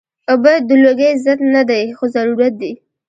اوبه د لوږې ضد نه دي، خو ضرورت دي